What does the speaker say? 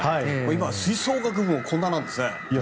今は吹奏楽部もこんななんですね。